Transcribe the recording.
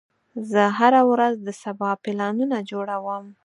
زه هره ورځ د سبا پلانونه جوړوم.